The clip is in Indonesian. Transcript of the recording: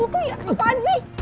itu ya apaan sih